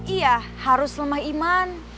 iya harus lemah iman